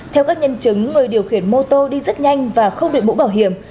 theo các nhân chứng người điều khiển mô tô đi rất nhanh và không đội mũ bảo hiểm